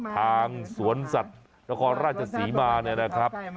สวนสัตว์นครราชศรีมาเนี่ยนะครับ